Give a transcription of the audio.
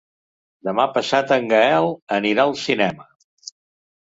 Demà passat en Gaël anirà al cinema.